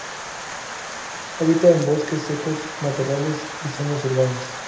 Habita en bosques secos, matorrales y zonas urbanas.